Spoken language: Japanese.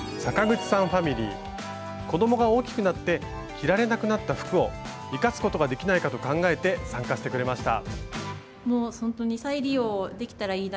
子どもが大きくなって着られなくなった服を生かすことができないかと考えて参加してくれました。